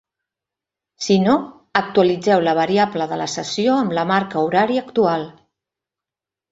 Si no, actualitzeu la variable de la sessió amb la marca horària actual.